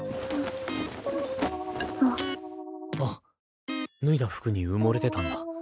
あっ脱いだ服に埋もれてたんだ。